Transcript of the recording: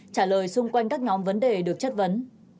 trả lời xung quanh các nhóm vấn đề được chất vấn